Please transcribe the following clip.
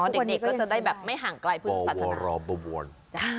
เด็กจะได้ไม่ห่างไกลพื้นสัจญา